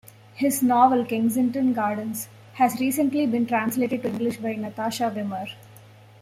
His novel, "Kensington Gardens", has recently been translated to English by Natasha Wimmer.